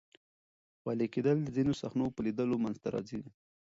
خولې کېدل د ځینو صحنو په لیدلو منځ ته راځي.